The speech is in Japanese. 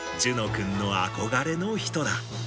君の憧れの人だ。